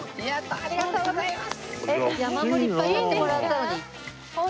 ありがとうございます。